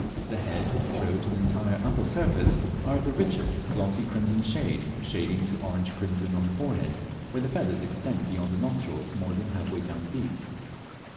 The head, throat, and entire upper surface are of the richest glossy crimson red, shading to orange crimson on the forehead, where the feathers extend beyond the nostrils more than half way down the beak.